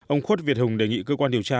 ông khuất việt hùng đề nghị cơ quan điều tra